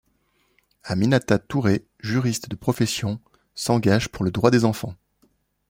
Aminata Touré juriste de profession, s'engage pour le droit des enfants.